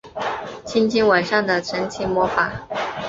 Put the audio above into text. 轻轻吻上的神奇魔法